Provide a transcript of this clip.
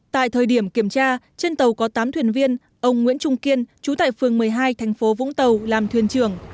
tại thời điểm kiểm tra trên tàu có tám thuyền viên ông nguyễn trung kiên chú tại phường một mươi hai thành phố vũng tàu làm thuyền trưởng